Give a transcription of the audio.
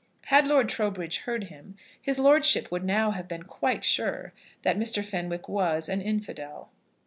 Had Lord Trowbridge heard him, his lordship would now have been quite sure that Mr. Fenwick was an infidel.